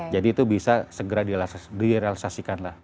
jadi itu bisa segera direalisasikan lah